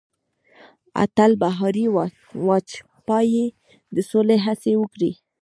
اتل بهاري واجپايي د سولې هڅې وکړې.